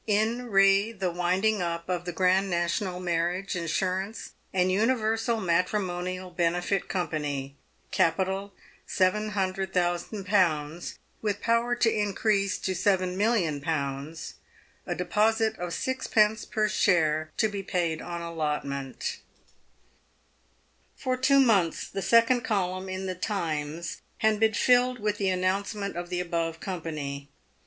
IN RE THE WINDING UP OF THE GRAND NATIONAL MARRIAGE INSURANCE AND UNIVERSAL MATRIMONIAL BENEFIT COMPANY, CAPITAL 700,000?., WITH POWER TO INCREASE TO 7,000,000?. A DEPOSIT OF 6d. PER SHARE TO BE PAID ON ALLOTMENT, For two months the second column in the Times had been filled with the announcement of the above company.